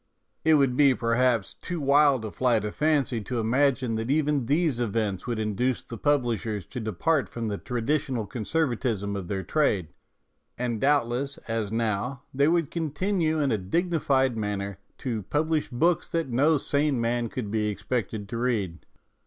It would be, perhaps, too wild a flight of fancy to imagine that even these events would induce the publishers to depart from the traditional conservatism of their trade, and doubtless, as now, they would continue in a dignified manner to publish books that no sane man could be expected to read.